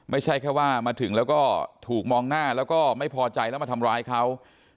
ไม่ใช่แค่ว่ามาถึงแล้วก็ถูกมองหน้าแล้วก็ไม่พอใจแล้วมาทำร้ายเขา